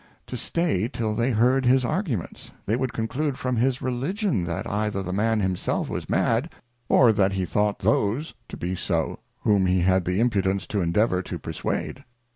to stay till they heard his Arguments, they would conclude from his Religion, that either the Man himself was mad, or that he thought those to be so, whom he had the Impudence to endeavour to perswade.